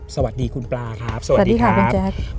สวัสดีคุณปลาครับสวัสดีครับสวัสดีค่ะพี่แจ็ค